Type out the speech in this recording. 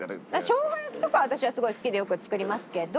しょうが焼きとか私はすごい好きでよく作りますけど。